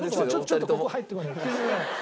ちょっとここ入ってこないで。